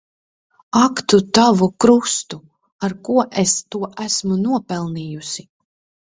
Ak tu tavu krustu! Ar ko es to esmu nopelnījusi.